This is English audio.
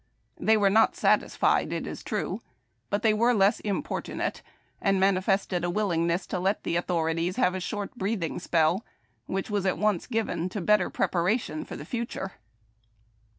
They were not satisfied, it is true, but they were less importunate, and manifested a willingness to let the •authorities have a short breathing spell, which was at once given to better preparation for the future.